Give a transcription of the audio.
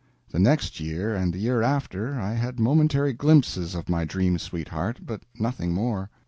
The next year and the year after I had momentary glimpses of my dream sweetheart, but nothing more.